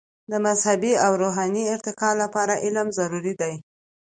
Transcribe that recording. د مذهبي او روحاني ارتقاء لپاره علم ضروري دی.